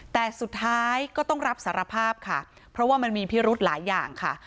แต่สุดท้ายก็ต้องรับสารภาพค่ะเพราะว่ามันมีพิรุธหลายอย่างค่ะ